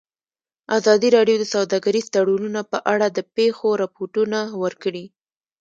ازادي راډیو د سوداګریز تړونونه په اړه د پېښو رپوټونه ورکړي.